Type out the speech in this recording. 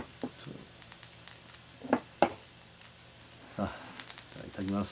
あいただきます。